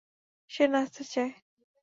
সে নাচতে চায়।